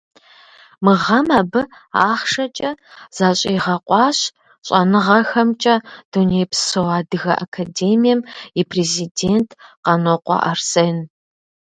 Мы гъэм абы ахъшэкӏэ защӏигъэкъуащ Щӏэныгъэхэмкӏэ Дунейпсо Адыгэ Академием и президент Къанокъуэ Арсен.